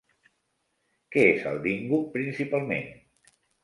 Què és el dingo principalment?